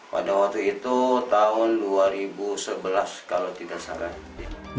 pada waktu itu tahun dua ribu sebelas kalau tidak salah